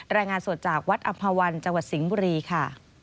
รายงานสดจากวัดอำภาวันจังหวัดสิงห์บุรีค่ะ